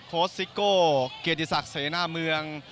โค้ชซิโก้เกียรติศักดิ์เสนาเมือง